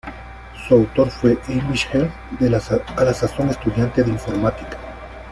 Su autor fue Achim Held, a la sazón estudiante de informática.